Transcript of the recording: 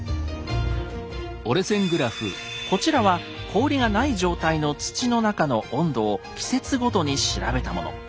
こちらは氷がない状態の土の中の温度を季節ごとに調べたもの。